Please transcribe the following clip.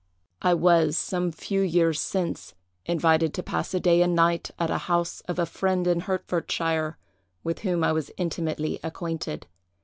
"I was, some few years since, invited to pass a day and night at the house of a friend in Hertfordshire, with whom I was intimately acquainted.